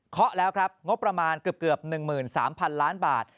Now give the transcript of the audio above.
แล้วครับงบประมาณเกือบ๑๓๐๐๐ล้านบาท